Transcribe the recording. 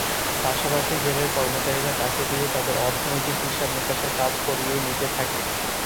পাশাপাশি জেলের কর্মচারীরা তাকে দিয়ে তাদের অর্থনৈতিক হিসাব-নিকাশের কাজ করিয়ে নিতে থাকে।